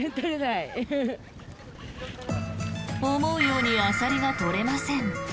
思うようにアサリが取れません。